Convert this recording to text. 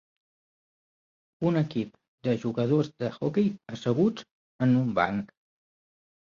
Un equip de jugadors d'hoquei asseguts en un banc.